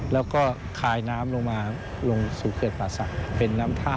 แล้วก็คลายน้ำลงมาลงสู่เขื่อนป่าศักดิ์เป็นน้ำท่า